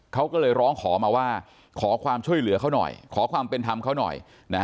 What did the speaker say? เขาก็เลยร้องขอมาว่าขอความช่วยเหลือเขาหน่อยขอความเป็นธรรมเขาหน่อย